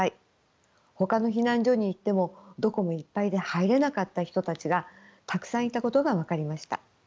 ほかの避難所に行ってもどこもいっぱいで入れなかった人たちがたくさんいたことが分かりました。